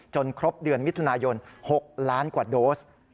ครบเดือนมิถุนายน๖ล้านกว่าโดส